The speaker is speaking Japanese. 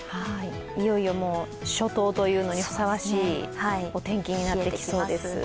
いよいよ初冬にふさわしいお天気になってきそうです。